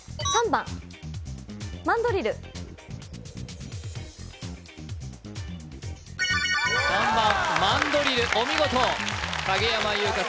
３番マンドリルお見事影山優佳